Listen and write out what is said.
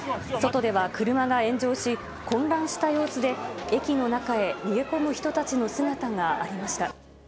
外では車が炎上し、混乱した様子で駅の中へ逃げ込む人たちの姿がありました。